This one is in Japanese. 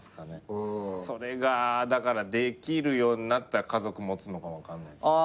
それがだからできるようになったら家族持つのかもわかんないっすよね。